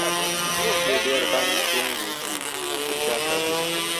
د شپې ډېر ډنګ ډونګ و چې د چا ښادي ده؟